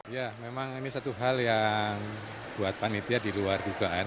ya memang ini satu hal yang buat panitia di luar dugaan